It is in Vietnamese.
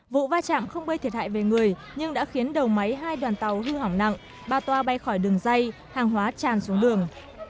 vụ va chạm không gây thiệt hại về người nhưng đã khiến đầu máy hai đoàn tàu hư hỏng nặng ba toa bay khỏi đường dây hàng hóa tràn xuống đường